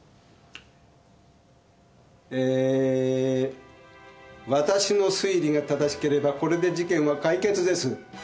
えーわたしの推理が正しければこれで事件は解決です。